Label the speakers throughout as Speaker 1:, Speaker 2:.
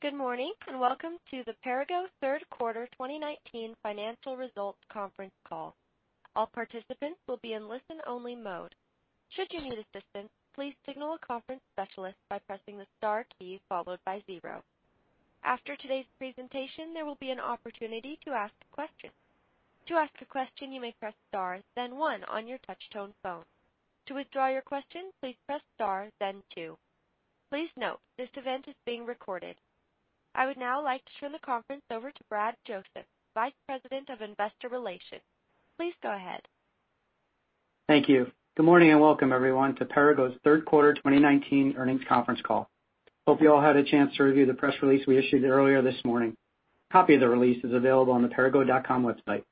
Speaker 1: Good morning, and welcome to the Perrigo third quarter 2019 financial results conference call. All participants will be in listen-only mode. Should you need assistance, please signal a conference specialist by pressing the star key followed by zero. After today's presentation, there will be an opportunity to ask questions. To ask a question, you may press star then one on your touch-tone phone. To withdraw your question, please press star then two. Please note, this event is being recorded. I would now like to turn the conference over to Brad Joseph, Vice President of Investor Relations. Please go ahead.
Speaker 2: Thank you. Good morning and welcome everyone to Perrigo's third quarter 2019 earnings conference call. Hope you all had a chance to review the press release we issued earlier this morning. Copy of the release is available on the perrigo.com website.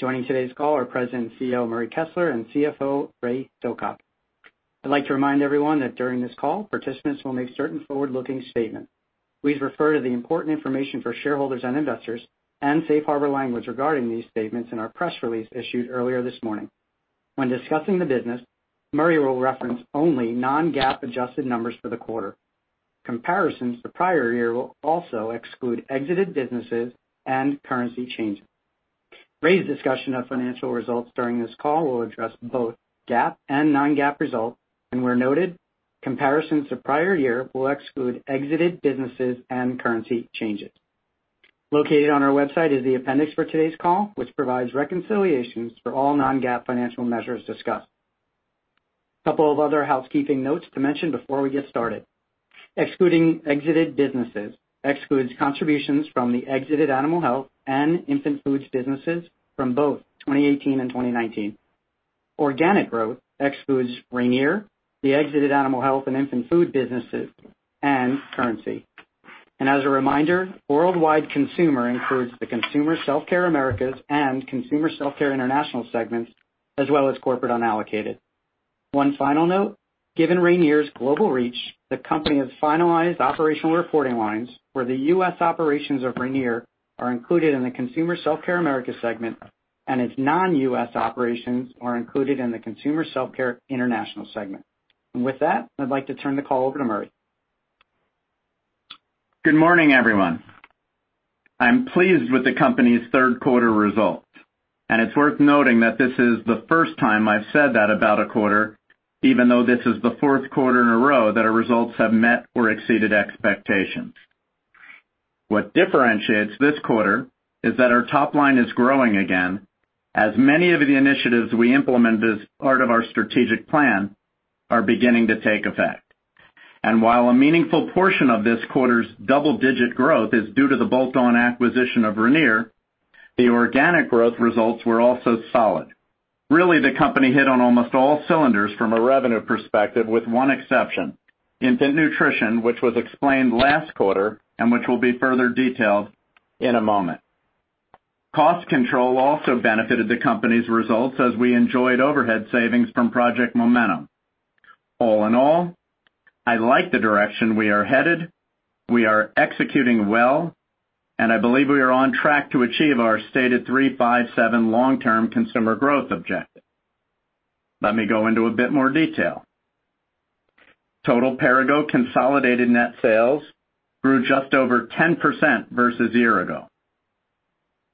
Speaker 2: Joining today's call are President and CEO, Murray Kessler, and CFO Ray Silcock. I'd like to remind everyone that during this call, participants will make certain forward-looking statements. Please refer to the important information for shareholders and investors and safe harbor language regarding these statements in our press release issued earlier this morning. When discussing the business, Murray will reference only non-GAAP adjusted numbers for the quarter. Comparisons to prior year will also exclude exited businesses and currency changes. Ray's discussion of financial results during this call will address both GAAP and non-GAAP results, and where noted, comparisons to prior year will exclude exited businesses and currency changes. Located on our website is the appendix for today's call, which provides reconciliations for all non-GAAP financial measures discussed. Couple of other housekeeping notes to mention before we get started. Excluding exited businesses excludes contributions from the exited animal health and infant foods businesses from both 2018 and 2019. Organic growth excludes Ranir, the exited animal health and infant food businesses, and currency. As a reminder, worldwide consumer includes the Consumer Self-Care Americas and Consumer Self-Care International segments, as well as corporate unallocated. One final note, given Ranir's global reach, the company has finalized operational reporting lines where the U.S. operations of Ranir are included in the Consumer Self-Care Americas segment, and its non-U.S. operations are included in the Consumer Self-Care International segment. With that, I'd like to turn the call over to Murray.
Speaker 3: Good morning, everyone. I'm pleased with the company's third quarter results. It's worth noting that this is the first time I've said that about a quarter, even though this is the fourth quarter in a row that our results have met or exceeded expectations. What differentiates this quarter is that our top line is growing again as many of the initiatives we implemented as part of our strategic plan are beginning to take effect. While a meaningful portion of this quarter's double-digit growth is due to the bolt-on acquisition of Ranir, the organic growth results were also solid. Really, the company hit on almost all cylinders from a revenue perspective with one exception, infant nutrition, which was explained last quarter and which will be further detailed in a moment. Cost control also benefited the company's results as we enjoyed overhead savings from Project Momentum. All in all, I like the direction we are headed. We are executing well, and I believe we are on track to achieve our stated three, five, seven long-term consumer growth objective. Let me go into a bit more detail. Total Perrigo consolidated net sales grew just over 10% versus year ago.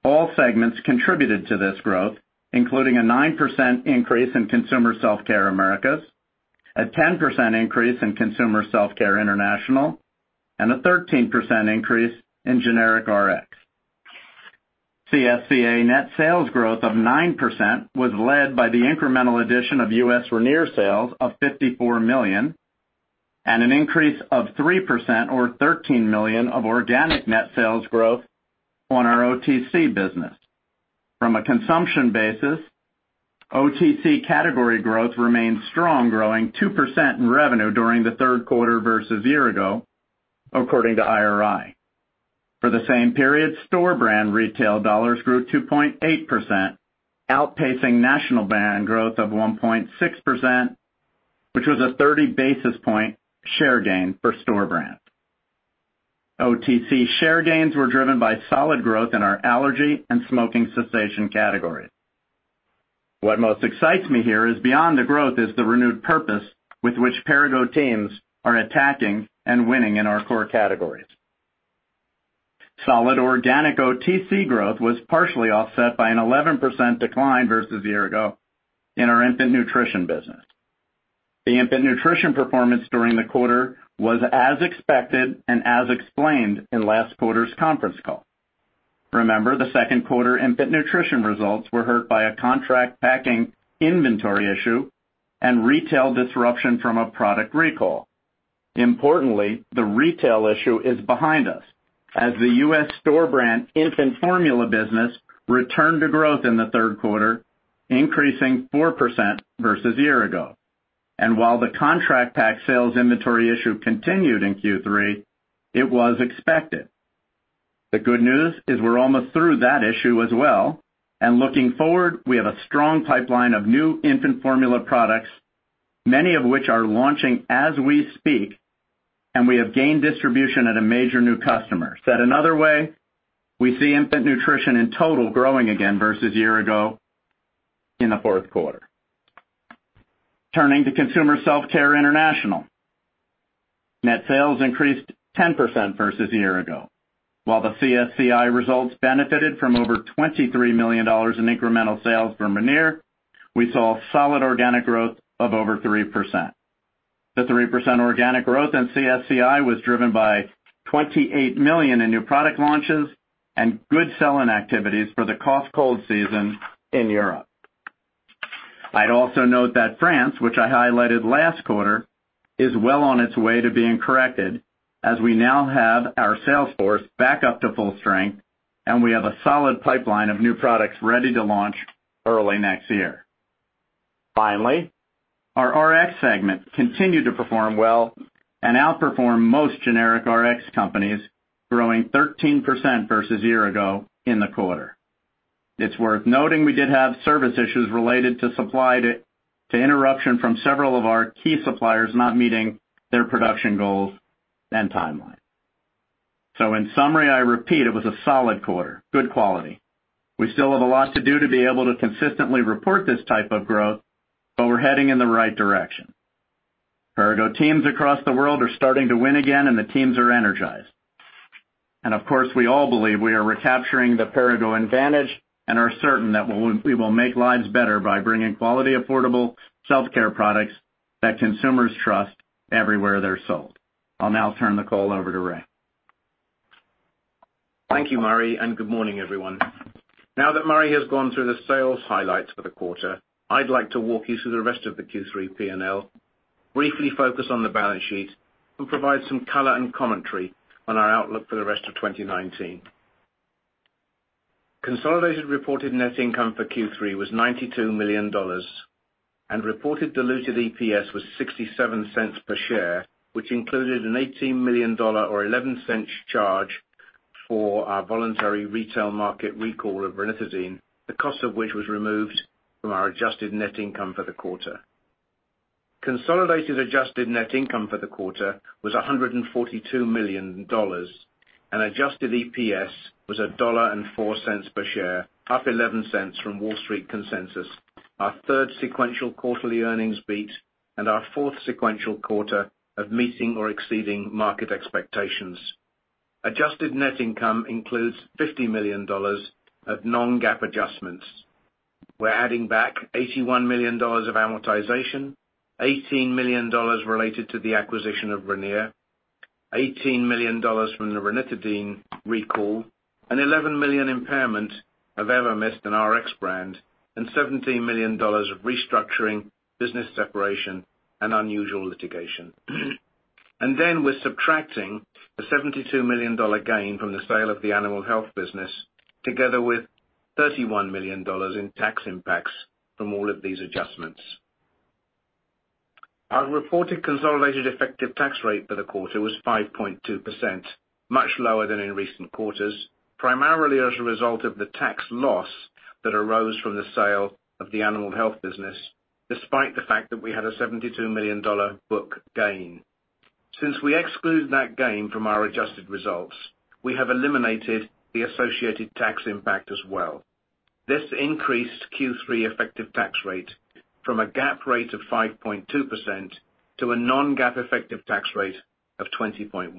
Speaker 3: All segments contributed to this growth, including a 9% increase in Consumer Self-Care Americas, a 10% increase in Consumer Self-Care International, and a 13% increase in generic Rx. CSCA net sales growth of 9% was led by the incremental addition of U.S. Ranir sales of $54 million and an increase of 3%, or $13 million, of organic net sales growth on our OTC business. From a consumption basis, OTC category growth remains strong, growing 2% in revenue during the third quarter versus year ago, according to IRI. For the same period, store brand retail dollars grew 2.8%, outpacing national brand growth of 1.6%, which was a 30-basis point share gain for store brand. OTC share gains were driven by solid growth in our allergy and smoking cessation categories. What most excites me here is beyond the growth is the renewed purpose with which Perrigo teams are attacking and winning in our core categories. Solid organic OTC growth was partially offset by an 11% decline versus year ago in our infant nutrition business. The infant nutrition performance during the quarter was as expected and as explained in last quarter's conference call. Remember, the second quarter infant nutrition results were hurt by a contract packing inventory issue and retail disruption from a product recall. Importantly, the retail issue is behind us as the U.S. store brand infant formula business returned to growth in the third quarter, increasing 4% versus year ago. While the contract pack sales inventory issue continued in Q3, it was expected. The good news is we're almost through that issue as well. Looking forward, we have a strong pipeline of new infant formula products, many of which are launching as we speak, and we have gained distribution at a major new customer. Said another way, we see infant nutrition in total growing again versus year ago in the fourth quarter. Turning to Consumer Self-Care International. Net sales increased 10% versus a year ago. While the CSCI results benefited from over $23 million in incremental sales from Ranir, we saw solid organic growth of over 3%. The 3% organic growth in CSCI was driven by $28 million in new product launches and good sell-in activities for the cough cold season in Europe. I'd also note that France, which I highlighted last quarter, is well on its way to being corrected as we now have our sales force back up to full strength, and we have a solid pipeline of new products ready to launch early next year. Finally, our RX segment continued to perform well and outperform most generic RX companies, growing 13% versus a year ago in the quarter. It's worth noting we did have service issues related to supply to interruption from several of our key suppliers not meeting their production goals and timelines. In summary, I repeat, it was a solid quarter. Good quality. We still have a lot to do to be able to consistently report this type of growth, but we're heading in the right direction. Perrigo teams across the world are starting to win again, and the teams are energized. Of course, we all believe we are recapturing the Perrigo advantage and are certain that we will make lives better by bringing quality, affordable self-care products that consumers trust everywhere they're sold. I'll now turn the call over to Ray.
Speaker 4: Thank you, Murray, and good morning, everyone. Now that Murray has gone through the sales highlights for the quarter, I'd like to walk you through the rest of the Q3 P&L, briefly focus on the balance sheet, and provide some color and commentary on our outlook for the rest of 2019. Consolidated reported net income for Q3 was $92 million, and reported diluted EPS was $0.67 per share, which included an $18 million or $0.11 charge for our voluntary retail market recall of ranitidine, the cost of which was removed from our adjusted net income for the quarter. Consolidated adjusted net income for the quarter was $142 million. An adjusted EPS was $1.04 per share, up $0.11 from Wall Street consensus, our third sequential quarterly earnings beat, and our fourth sequential quarter of meeting or exceeding market expectations. Adjusted net income includes $50 million of non-GAAP adjustments. We're adding back $81 million of amortization, $18 million related to the acquisition of Ranir, $18 million from the ranitidine recall, an $11 million impairment of Evamist in RX brand, and $17 million of restructuring, business separation, and unusual litigation. We're subtracting the $72 million gain from the sale of the animal health business, together with $31 million in tax impacts from all of these adjustments. Our reported consolidated effective tax rate for the quarter was 5.2%, much lower than in recent quarters, primarily as a result of the tax loss that arose from the sale of the animal health business, despite the fact that we had a $72 million book gain. Since we exclude that gain from our adjusted results, we have eliminated the associated tax impact as well. This increased Q3 effective tax rate from a GAAP rate of 5.2% to a non-GAAP effective tax rate of 20.1%.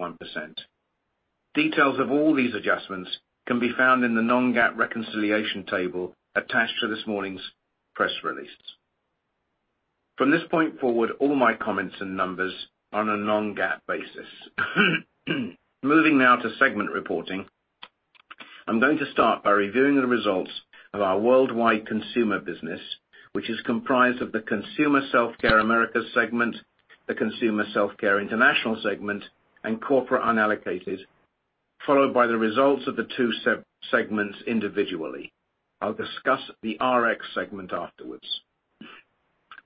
Speaker 4: Details of all these adjustments can be found in the non-GAAP reconciliation table attached to this morning's press release. From this point forward, all my comments and numbers are on a non-GAAP basis. Moving now to segment reporting. I'm going to start by reviewing the results of our worldwide consumer business, which is comprised of the Consumer Self-Care Americas segment, the Consumer Self-Care International segment, and Corporate Unallocated, followed by the results of the two segments individually. I'll discuss the RX segment afterwards.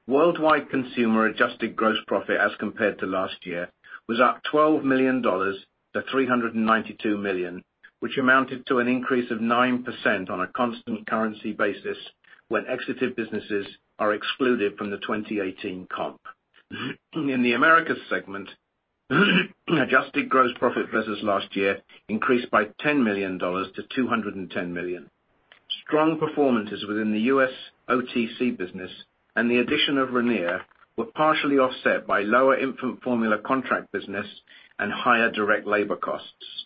Speaker 4: Worldwide consumer adjusted gross profit as compared to last year was up $12 million to $392 million, which amounted to an increase of 9% on a constant currency basis when exited businesses are excluded from the 2018 comp. In the Americas segment, adjusted gross profit versus last year increased by $10 million to $210 million. Strong performances within the U.S. OTC business and the addition of Ranir were partially offset by lower infant formula contract business and higher direct labor costs.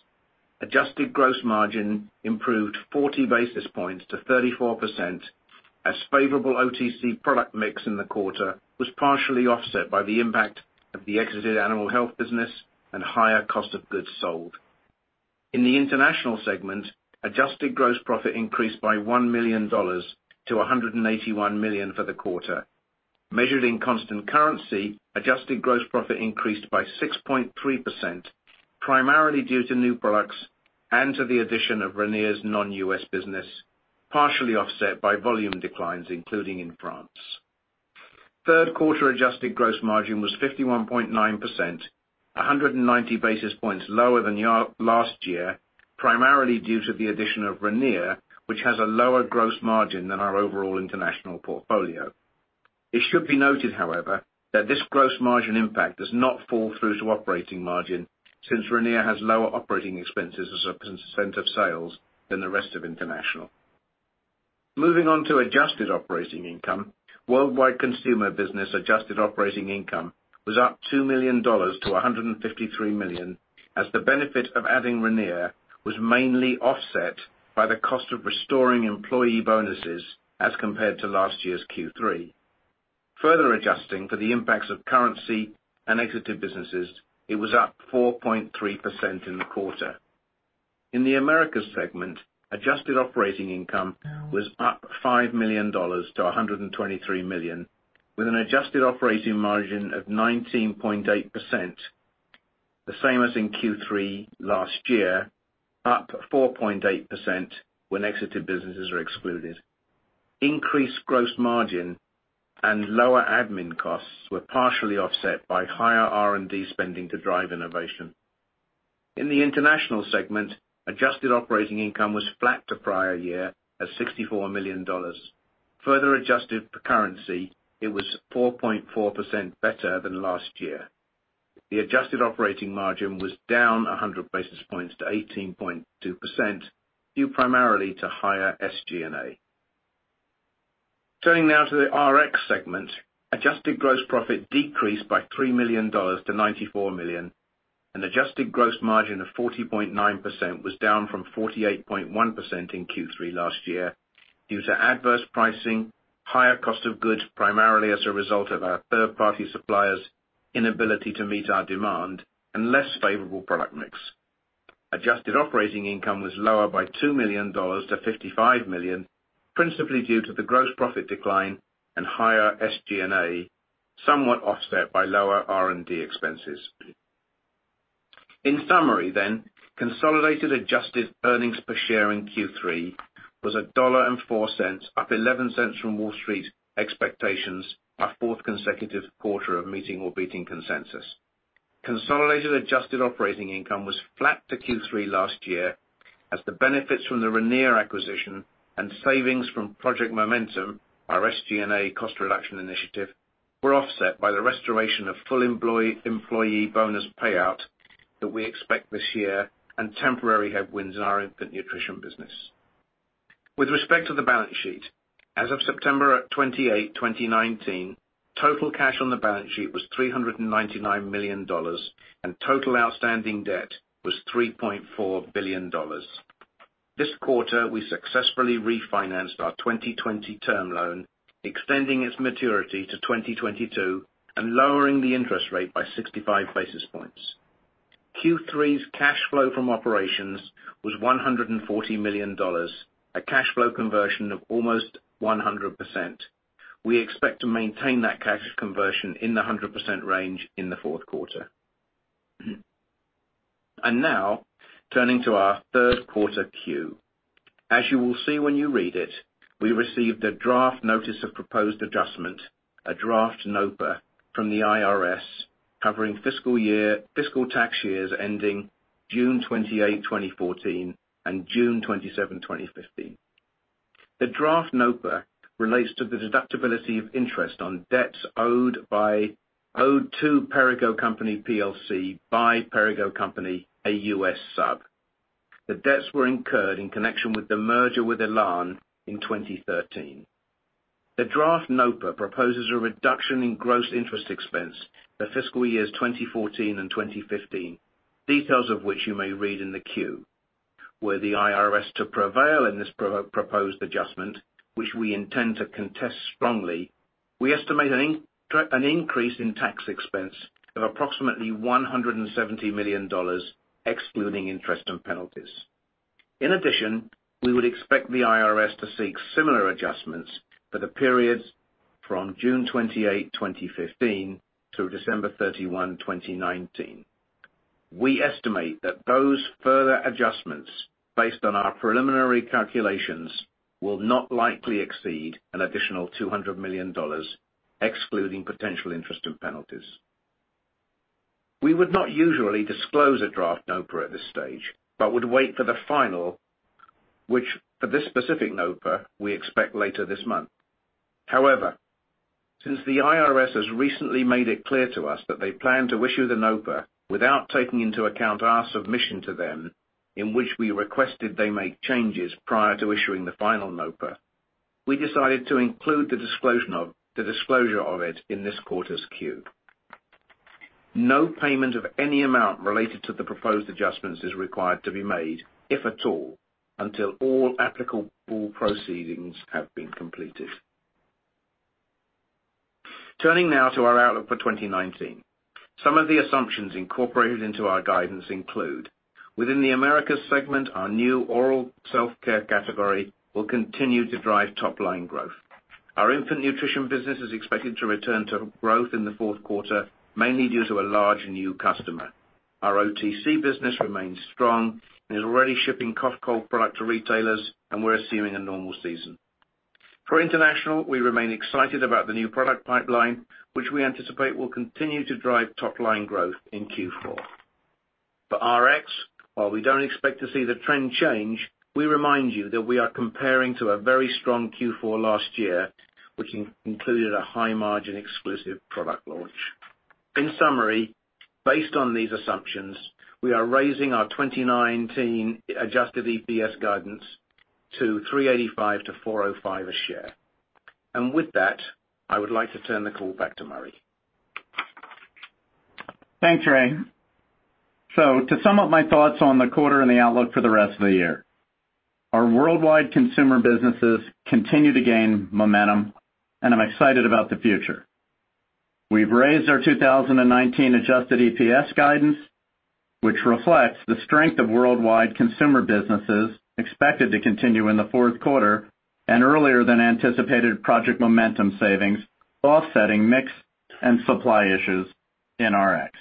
Speaker 4: Adjusted gross margin improved 40 basis points to 34% as favorable OTC product mix in the quarter was partially offset by the impact of the exited animal health business and higher cost of goods sold. In the International segment, adjusted gross profit increased by $1 million to $181 million for the quarter. Measured in constant currency, adjusted gross profit increased by 6.3%, primarily due to new products and to the addition of Ranir's non-U.S. business, partially offset by volume declines, including in France. Third quarter adjusted gross margin was 51.9%, 190 basis points lower than last year, primarily due to the addition of Ranir, which has a lower gross margin than our overall international portfolio. It should be noted, however, that this gross margin impact does not fall through to operating margin, since Ranir has lower operating expenses as a percent of sales than the rest of international. Moving on to adjusted operating income. Worldwide consumer business adjusted operating income was up $2 million to $153 million as the benefit of adding Ranir was mainly offset by the cost of restoring employee bonuses as compared to last year's Q3. Further adjusting for the impacts of currency and exited businesses, it was up 4.3% in the quarter. In the Americas segment, adjusted operating income was up $5 million to $123 million, with an adjusted operating margin of 19.8%, the same as in Q3 last year, up 4.8% when exited businesses are excluded. Increased gross margin and lower admin costs were partially offset by higher R&D spending to drive innovation. In the International segment, adjusted operating income was flat to prior year at $64 million. Further adjusted to currency, it was 4.4% better than last year. The adjusted operating margin was down 100 basis points to 18.2%, due primarily to higher SG&A. Turning now to the RX segment. Adjusted gross profit decreased by $3 million to $94 million and adjusted gross margin of 40.9% was down from 48.1% in Q3 last year due to adverse pricing, higher cost of goods, primarily as a result of our third-party suppliers' inability to meet our demand, and less favorable product mix. Adjusted operating income was lower by $2 million to $55 million, principally due to the gross profit decline and higher SG&A, somewhat offset by lower R&D expenses. In summary, consolidated adjusted earnings per share in Q3 was $1.04, up $0.11 from Wall Street expectations, our fourth consecutive quarter of meeting or beating consensus. Consolidated adjusted operating income was flat to Q3 last year as the benefits from the Ranir acquisition and savings from Project Momentum, our SG&A cost reduction initiative, were offset by the restoration of full employee bonus payout that we expect this year and temporary headwinds in our infant nutrition business. With respect to the balance sheet, as of September 28, 2019, total cash on the balance sheet was $399 million, and total outstanding debt was $3.4 billion. This quarter, we successfully refinanced our 2020 term loan, extending its maturity to 2022 and lowering the interest rate by 65 basis points. Q3's cash flow from operations was $140 million, a cash flow conversion of almost 100%. We expect to maintain that cash conversion in the 100% range in the fourth quarter. Now turning to our third quarter Q. As you will see when you read it, we received a draft notice of proposed adjustment, a draft NOPA from the IRS, covering fiscal tax years ending June 28, 2014 and June 27, 2015. The draft NOPA relates to the deductibility of interest on debts owed to Perrigo Company plc by Perrigo Company, a U.S. sub. The debts were incurred in connection with the merger with Elan in 2013. The draft NOPA proposes a reduction in gross interest expense for fiscal years 2014 and 2015, details of which you may read in the Q. Were the IRS to prevail in this proposed adjustment, which we intend to contest strongly, we estimate an increase in tax expense of approximately $170 million, excluding interest and penalties. We would expect the IRS to seek similar adjustments for the periods from June 28, 2015 through December 31, 2019. We estimate that those further adjustments, based on our preliminary calculations, will not likely exceed an additional $200 million, excluding potential interest and penalties. We would not usually disclose a draft NOPA at this stage, but would wait for the final, which for this specific NOPA, we expect later this month. Since the IRS has recently made it clear to us that they plan to issue the NOPA without taking into account our submission to them in which we requested they make changes prior to issuing the final NOPA, we decided to include the disclosure of it in this quarter's Q. No payment of any amount related to the proposed adjustments is required to be made, if at all, until all applicable proceedings have been completed. Turning now to our outlook for 2019. Some of the assumptions incorporated into our guidance include within the Americas segment, our new oral self-care category will continue to drive top-line growth. Our infant nutrition business is expected to return to growth in the fourth quarter, mainly due to a large new customer. Our OTC business remains strong and is already shipping cough-cold product to retailers and we're assuming a normal season. For international, we remain excited about the new product pipeline, which we anticipate will continue to drive top-line growth in Q4. For RX, while we don't expect to see the trend change, we remind you that we are comparing to a very strong Q4 last year, which included a high margin exclusive product launch. In summary, based on these assumptions, we are raising our 2019 adjusted EPS guidance to $3.85-$4.05 a share. With that, I would like to turn the call back to Murray.
Speaker 3: Thanks, Ray. To sum up my thoughts on the quarter and the outlook for the rest of the year, our worldwide consumer businesses continue to gain momentum, and I'm excited about the future. We've raised our 2019 adjusted EPS guidance, which reflects the strength of worldwide consumer businesses expected to continue in the fourth quarter and earlier than anticipated Project Momentum savings, offsetting mix and supply issues in RX.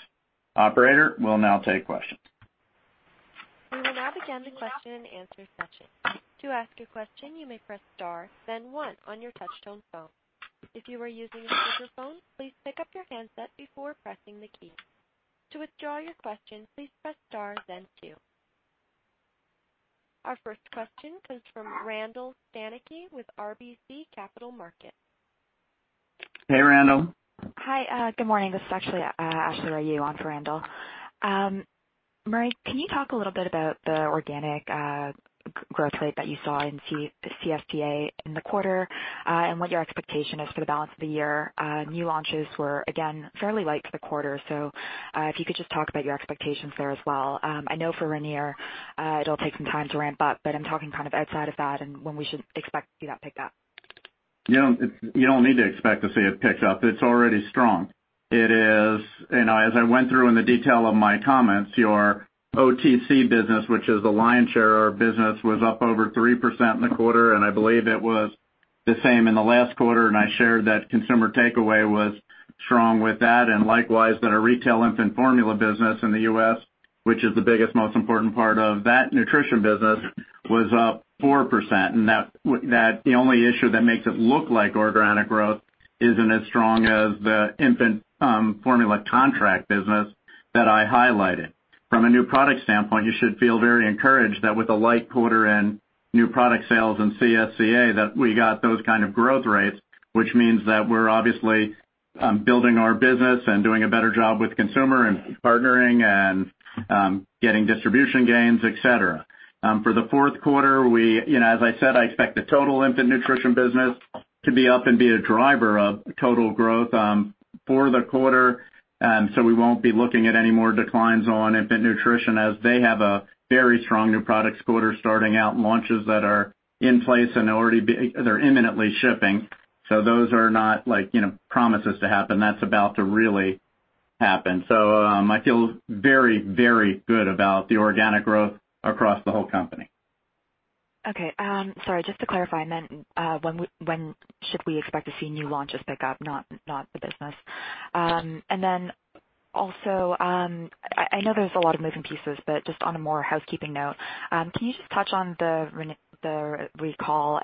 Speaker 3: Operator, we'll now take questions.
Speaker 1: We will now begin the question and answer session. To ask a question, you may press star then one on your touch-tone phone. If you are using a speakerphone, please pick up your handset before pressing the key. To withdraw your question, please press star then two. Our first question comes from Randall Stanicky with RBC Capital Markets.
Speaker 3: Hey, Randall.
Speaker 5: Hi, good morning. This is actually Ashley Ryu on for Randall. Murray, can you talk a little bit about the organic growth rate that you saw in CSCA in the quarter and what your expectation is for the balance of the year? New launches were again, fairly light for the quarter, so if you could just talk about your expectations there as well. I know for Ranir, it'll take some time to ramp up, but I'm talking kind of outside of that and when we should expect to see that pick up.
Speaker 3: You don't need to expect to see it pick up. It's already strong. As I went through in the detail of my comments, your OTC business, which is the lion's share of our business, was up over 3% in the quarter, and I believe it was the same in the last quarter, and I shared that consumer takeaway was strong with that, and likewise, that our retail infant formula business in the U.S., which is the biggest, most important part of that nutrition business, was up 4%. The only issue that makes it look like organic growth isn't as strong as the infant formula contract business that I highlighted. From a new product standpoint, you should feel very encouraged that with a light quarter and new product sales in CSCA, that we got those kind of growth rates, which means that we're obviously building our business and doing a better job with consumer and partnering and getting distribution gains, et cetera. For the fourth quarter, as I said, I expect the total infant nutrition business to be up and be a driver of total growth for the quarter, so we won't be looking at any more declines on infant nutrition as they have a very strong new products quarter starting out and launches that are in place, and they're imminently shipping. Those are not promises to happen. That's about to really happen. I feel very good about the organic growth across the whole company.
Speaker 5: Okay. Sorry, just to clarify, I meant when should we expect to see new launches pick up, not the business. I know there's a lot of moving pieces, but just on a more housekeeping note, can you just touch on the recall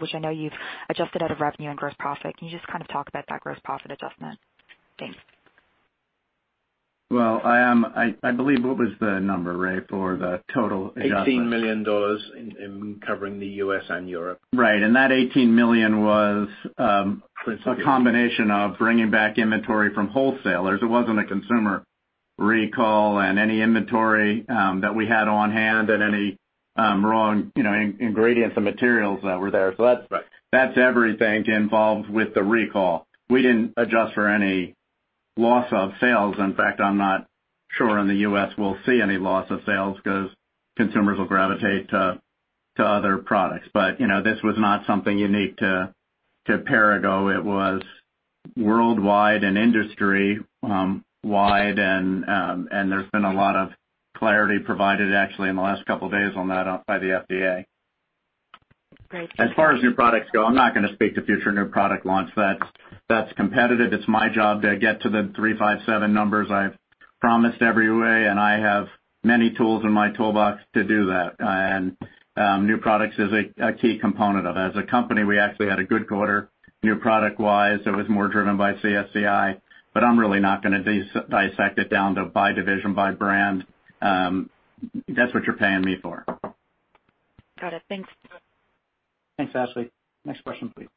Speaker 5: which I know you've adjusted out of revenue and gross profit. Can you just kind of talk about that gross profit adjustment? Thanks.
Speaker 3: Well, I believe, what was the number, Ray, for the total adjustment?
Speaker 4: $18 million in covering the U.S. and Europe.
Speaker 3: Right.
Speaker 4: Principal
Speaker 3: a combination of bringing back inventory from wholesalers. It wasn't a consumer recall and any inventory that we had on hand and any wrong ingredients and materials that were there.
Speaker 4: Right.
Speaker 3: That's everything involved with the recall. We didn't adjust for any loss of sales. In fact, I'm not sure in the U.S. we'll see any loss of sales because consumers will gravitate to other products. This was not something unique to Perrigo. It was worldwide and industry-wide, and there's been a lot of clarity provided actually in the last couple of days on that by the FDA.
Speaker 5: Great.
Speaker 3: As far as new products go, I'm not going to speak to future new product launch. That's competitive. It's my job to get to the three, five, seven numbers I've promised every way, and I have many tools in my toolbox to do that. New products is a key component of it. As a company, we actually had a good quarter, new product-wise. It was more driven by CSCI, but I'm really not going to dissect it down to by division, by brand. That's what you're paying me for.
Speaker 5: Got it. Thanks.
Speaker 3: Thanks, Ashley. Next question, please.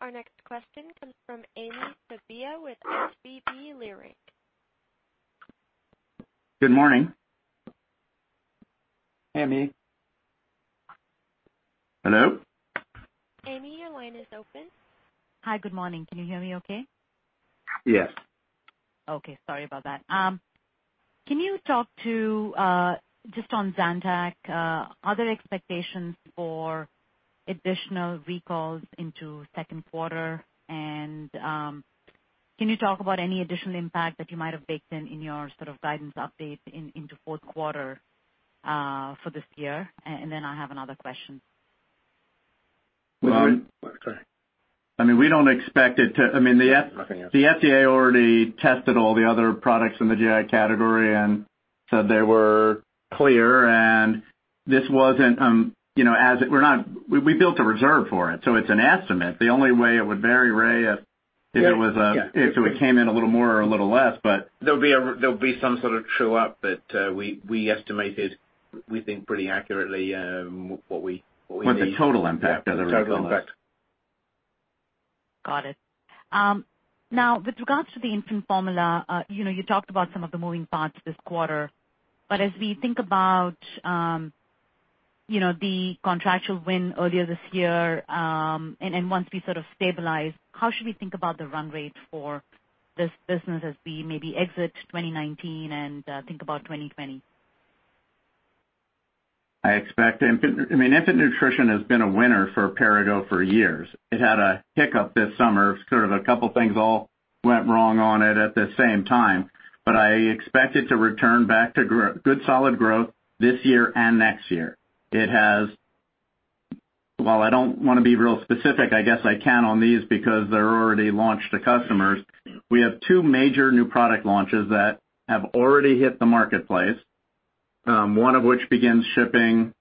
Speaker 1: Our next question comes from Amy Sabia with SVB Leerink.
Speaker 3: Good morning. Hey, Amy. Hello?
Speaker 1: Amy, your line is open.
Speaker 6: Hi. Good morning. Can you hear me okay?
Speaker 3: Yes.
Speaker 6: Okay. Sorry about that. Can you talk to, just on Zantac, are there expectations for additional recalls into second quarter? Can you talk about any additional impact that you might have baked in in your sort of guidance update into fourth quarter for this year? I have another question.
Speaker 3: Go ahead. Sorry. The FDA already tested all the other products in the GI category and said they were clear, and we built a reserve for it. It's an estimate. The only way it would vary, Ray, if it came in a little more or a little less.
Speaker 4: There'll be some sort of true-up, but we estimated, we think pretty accurately, what we need.
Speaker 3: What the total impact of the recall is?
Speaker 4: Yeah, the total impact.
Speaker 6: Got it. With regards to the infant formula, you talked about some of the moving parts this quarter, but as we think about the contractual win earlier this year, and once we sort of stabilize, how should we think about the run rate for this business as we maybe exit 2019 and think about 2020?
Speaker 3: Infant Nutrition has been a winner for Perrigo for years. It had a hiccup this summer. Sort of a couple things all went wrong on it at the same time. I expect it to return back to good, solid growth this year and next year. Well, I don't want to be real specific, I guess I can on these because they're already launched to customers. We have two major new product launches that have already hit the marketplace, one of which begins shipping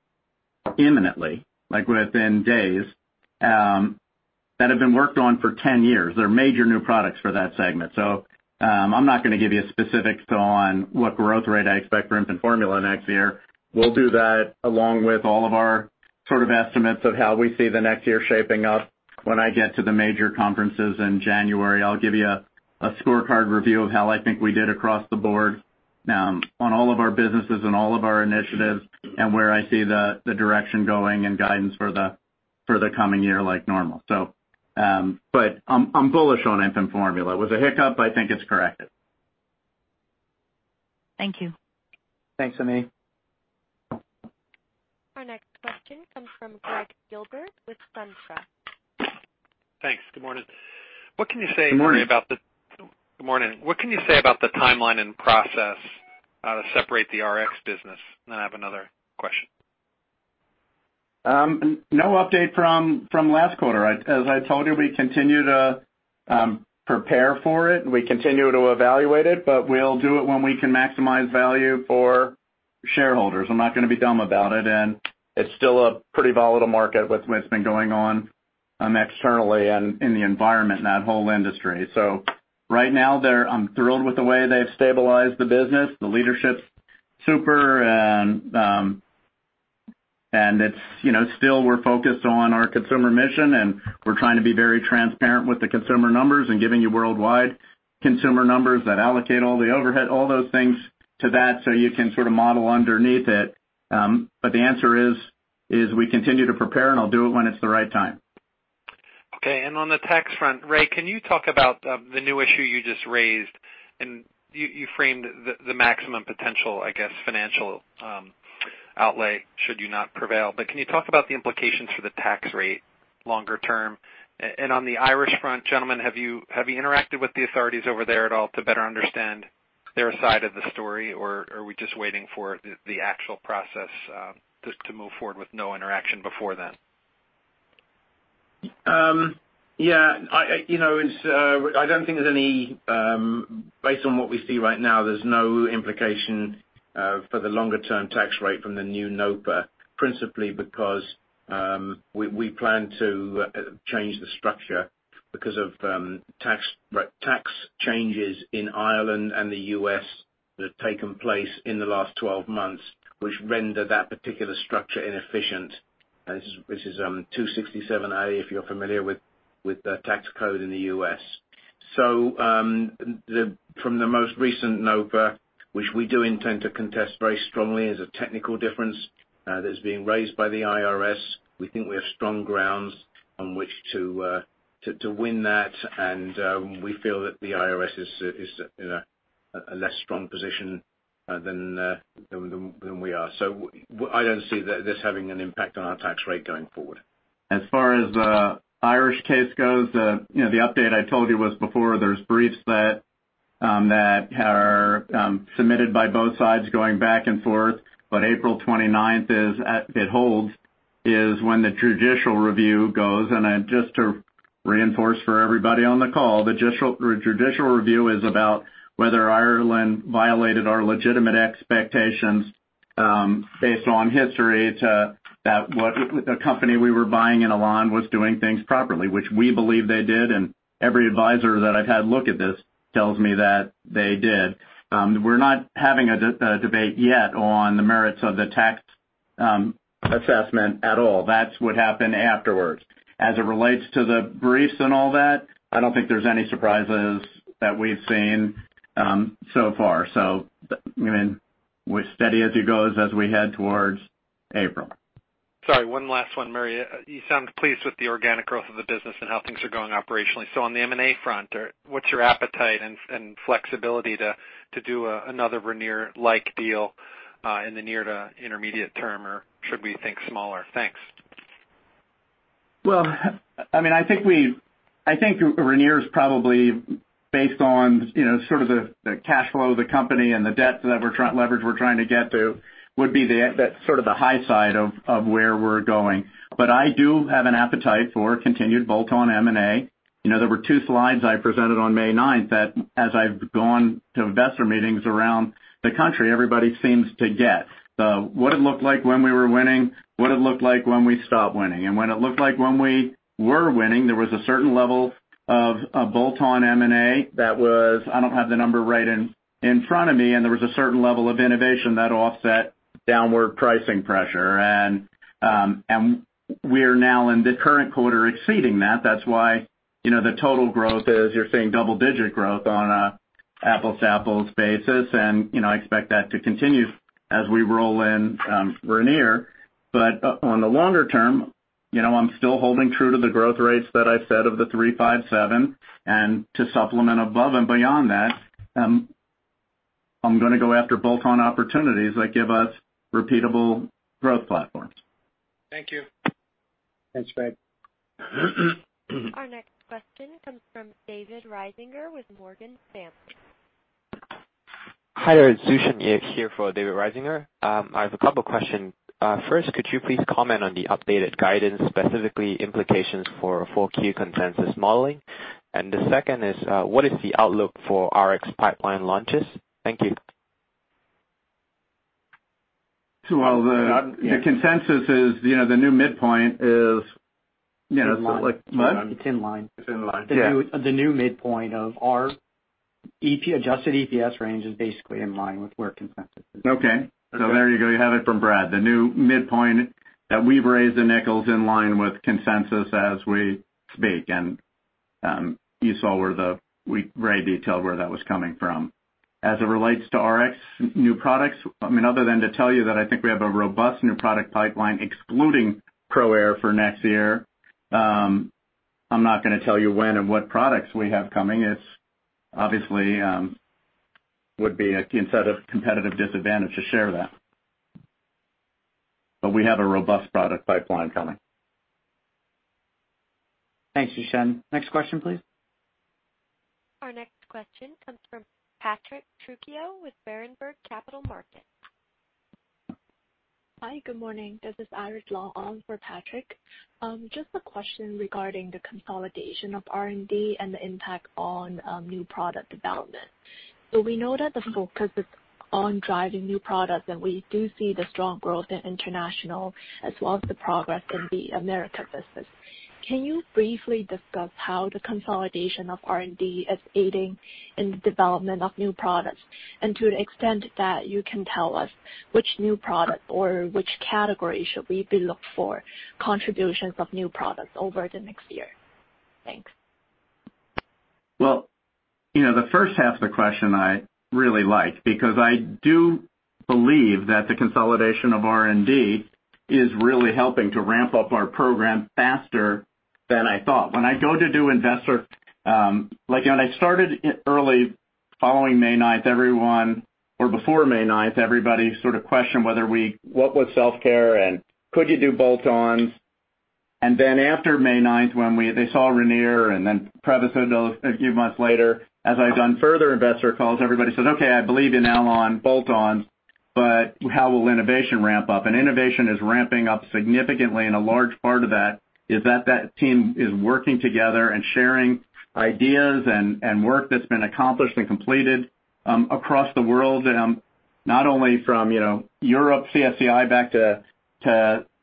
Speaker 3: imminently, like within days, that have been worked on for 10 years. They're major new products for that segment. I'm not going to give you specifics on what growth rate I expect for infant formula next year. We'll do that along with all of our sort of estimates of how we see the next year shaping up when I get to the major conferences in January. I'll give you a scorecard review of how I think we did across the board on all of our businesses and all of our initiatives, and where I see the direction going and guidance for the coming year, like normal. I'm bullish on infant formula. It was a hiccup, I think it's corrected.
Speaker 6: Thank you.
Speaker 3: Thanks, Amy.
Speaker 1: Our next question comes from Gregg Gilbert with SunTrust.
Speaker 7: Thanks. Good morning.
Speaker 3: Good morning.
Speaker 7: Good morning. What can you say about the timeline and process to separate the RX business? I have another question.
Speaker 3: No update from last quarter. As I told you, we continue to prepare for it, and we continue to evaluate it, but we'll do it when we can maximize value for shareholders. I'm not going to be dumb about it, and it's still a pretty volatile market with what's been going on externally and in the environment in that whole industry. Right now, I'm thrilled with the way they've stabilized the business. The leadership's super. Still, we're focused on our consumer mission, and we're trying to be very transparent with the consumer numbers and giving you worldwide consumer numbers that allocate all the overhead, all those things to that, so you can sort of model underneath it. The answer is, we continue to prepare and I'll do it when it's the right time.
Speaker 7: Okay. On the tax front, Ray, can you talk about the new issue you just raised? You framed the maximum potential, I guess, financial outlay, should you not prevail. Can you talk about the implications for the tax rate longer term? On the Irish front, gentlemen, have you interacted with the authorities over there at all to better understand their side of the story? Or are we just waiting for the actual process to move forward with no interaction before then?
Speaker 4: Yeah. I don't think there's any-- Based on what we see right now, there's no implication for the longer-term tax rate from the new NOPA, principally because, we plan to change the structure because of tax changes in Ireland and the U.S. that have taken place in the last 12 months, which render that particular structure inefficient, which is 267A, if you're familiar with the tax code in the U.S. From the most recent NOPA, which we do intend to contest very strongly, is a technical difference that's being raised by the IRS. We think we have strong grounds on which to win that. We feel that the IRS is in a less strong position than we are. I don't see this having an impact on our tax rate going forward.
Speaker 3: As far as the Irish case goes, the update I told you was before, there's briefs that are submitted by both sides going back and forth. April 29th it holds, is when the judicial review goes. Just to reinforce for everybody on the call, the judicial review is about whether Ireland violated our legitimate expectations, based on history, to that the company we were buying in Elan was doing things properly, which we believe they did, and every advisor that I've had look at this tells me that they did. We're not having a debate yet on the merits of the tax assessment at all. That's what happened afterwards. As it relates to the briefs and all that, I don't think there's any surprises that we've seen so far. We're steady as he goes, as we head towards April.
Speaker 7: Sorry, one last one, Murray. You sound pleased with the organic growth of the business and how things are going operationally. On the M&A front, what's your appetite and flexibility to do another Ranir-like deal in the near to intermediate term, or should we think smaller? Thanks.
Speaker 3: Well, I think Ranir is probably based on sort of the cash flow of the company and the leverage we're trying to get to would be the sort of the high side of where we're going. I do have an appetite for continued bolt-on M&A. There were two slides I presented on May 9th that as I've gone to investor meetings around the country, everybody seems to get. What it looked like when we were winning, what it looked like when we stopped winning. What it looked like when we were winning, there was a certain level of bolt-on M&A that was, I don't have the number right in front of me, and there was a certain level of innovation that offset downward pricing pressure. We're now in the current quarter exceeding that. That's why the total growth is, you're seeing double-digit growth on an apples-to-apples basis. I expect that to continue as we roll in Ranir. On the longer term, I'm still holding true to the growth rates that I've said of the three, five, seven, and to supplement above and beyond that, I'm going to go after bolt-on opportunities that give us repeatable growth platforms.
Speaker 2: Thank you.
Speaker 3: Thanks, Brad.
Speaker 1: Our next question comes from David Risinger with Morgan Stanley.
Speaker 8: Hi there. It's Zhichen here for David Risinger. I have a couple of questions. Could you please comment on the updated guidance, specifically implications for full-year consensus modeling? The second is, what is the outlook for RX pipeline launches? Thank you.
Speaker 3: While the consensus is the new midpoint.
Speaker 2: It's in line. What? It's in line. It's in line. Yeah. The new midpoint of our adjusted EPS range is basically in line with where consensus is.
Speaker 3: There you go. You have it from Brad. The new midpoint that we've raised the $0.05 is in line with consensus as we speak. You saw where Ray detailed where that was coming from. As it relates to RX new products, other than to tell you that I think we have a robust new product pipeline excluding ProAir for next year. I'm not going to tell you when and what products we have coming. It obviously would be a competitive disadvantage to share that. We have a robust product pipeline coming.
Speaker 2: Thanks, Zhichen. Next question, please.
Speaker 1: Our next question comes from Patrick Trucchio with Berenberg Capital Markets.
Speaker 9: Hi, good morning. This is Iris Luo on for Patrick. Just a question regarding the consolidation of R&D and the impact on new product development. We know that the focus is on driving new products, and we do see the strong growth in international as well as the progress in the Americas Business. Can you briefly discuss how the consolidation of R&D is aiding in the development of new products? To the extent that you can tell us which new product or which category should we be look for contributions of new products over the next year? Thanks.
Speaker 3: Well, the first half of the question I really like, because I do believe that the consolidation of R&D is really helping to ramp up our program faster than I thought. When I started early following May 9th, or before May 9th, everybody sort of questioned what was self-care and could you do bolt-ons? After May 9th, when they saw Ranir and then Prevacid a few months later, as I've done further investor calls, everybody says, "Okay, I believe you now on bolt-ons, but how will innovation ramp up?" Innovation is ramping up significantly, and a large part of that is that that team is working together and sharing ideas and work that's been accomplished and completed across the world. Not only from Europe, CSCI back to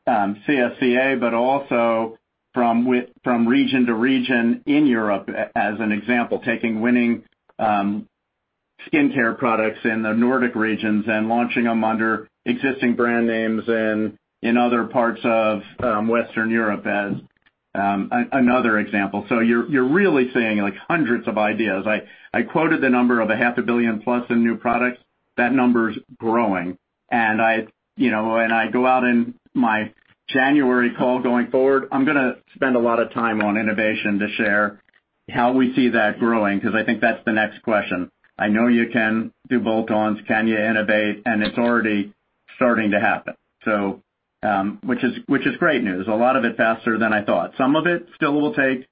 Speaker 3: CSCA, but also from region to region in Europe, as an example, taking winning skincare products in the Nordic regions and launching them under existing brand names and in other parts of Western Europe as another example. You're really seeing hundreds of ideas. I quoted the number of a half a billion plus in new products. That number's growing. When I go out in my January call going forward, I'm going to spend a lot of time on innovation to share how we see that growing, because I think that's the next question. I know you can do bolt-ons. Can you innovate? It's already starting to happen. Which is great news. A lot of it faster than I thought. Some of it still will take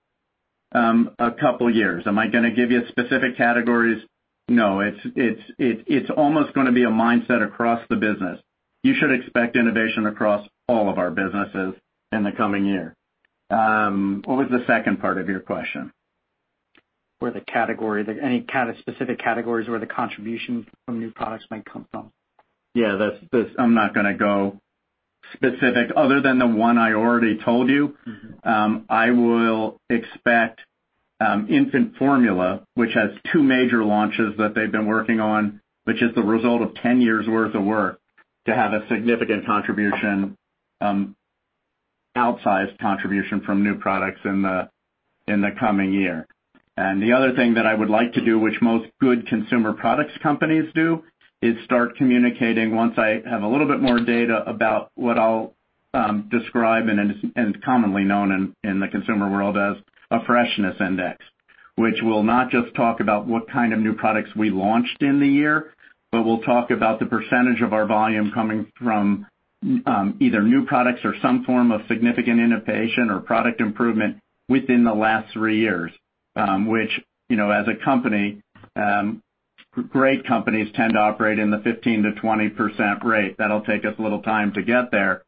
Speaker 3: a couple years. Am I going to give you specific categories? No. It's almost going to be a mindset across the business. You should expect innovation across all of our businesses in the coming year. What was the second part of your question?
Speaker 2: Any kind of specific categories where the contribution from new products might come from.
Speaker 3: Yeah, I'm not going to go specific other than the one I already told you. I will expect infant formula, which has two major launches that they've been working on, which is the result of 10 years' worth of work, to have a significant contribution, outsized contribution from new products in the coming year. The other thing that I would like to do, which most good consumer products companies do, is start communicating once I have a little bit more data about what I'll describe and is commonly known in the consumer world as a freshness index, which will not just talk about what kind of new products we launched in the year, but will talk about the % of our volume coming from either new products or some form of significant innovation or product improvement within the last three years, which as a company, great companies tend to operate in the 15%-20% rate. That'll take us a little time to get there.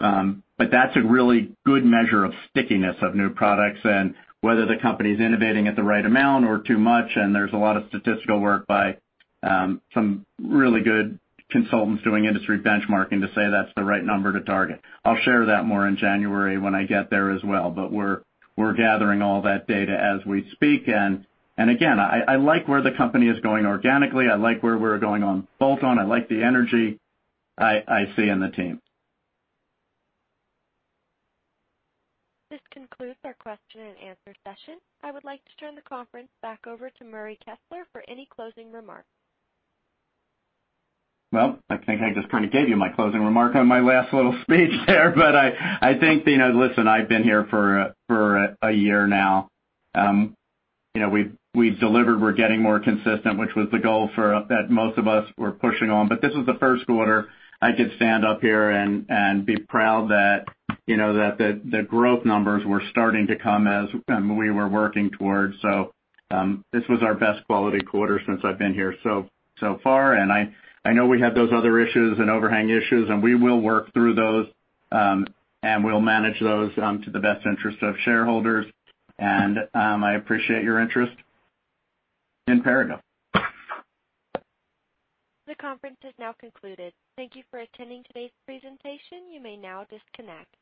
Speaker 3: That's a really good measure of stickiness of new products and whether the company's innovating at the right amount or too much. There's a lot of statistical work by some really good consultants doing industry benchmarking to say that's the right number to target. I'll share that more in January when I get there as well. We're gathering all that data as we speak. Again, I like where the company is going organically. I like where we're going on bolt-on. I like the energy I see in the team.
Speaker 1: This concludes our question and answer session. I would like to turn the conference back over to Murray Kessler for any closing remarks.
Speaker 3: Well, I think I just kind of gave you my closing remark on my last little speech there. I think, listen, I've been here for a year now. We've delivered. We're getting more consistent, which was the goal that most of us were pushing on. This is the first quarter I could stand up here and be proud that the growth numbers were starting to come as we were working towards. This was our best quality quarter since I've been here so far. I know we had those other issues and overhang issues, and we will work through those, and we'll manage those to the best interest of shareholders. I appreciate your interest in Perrigo.
Speaker 1: The conference has now concluded. Thank you for attending today's presentation. You may now disconnect.